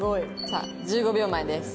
さあ１５秒前です。